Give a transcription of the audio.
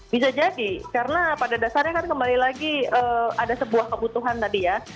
bisa jadi karena pada dasarnya kan kembali lagi ada sebuah kebutuhan tadi ya